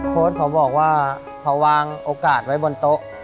เขาบอกว่าเขาวางโอกาสไว้บนโต๊ะ